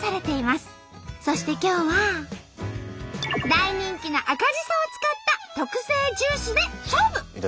そして今日は大人気の赤じそを使った特製ジュースで勝負！